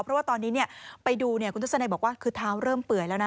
เพราะว่าตอนนี้ไปดูคุณทัศนัยบอกว่าคือเท้าเริ่มเปื่อยแล้วนะ